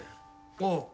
ああ。